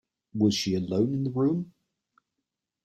Was she alone in the room?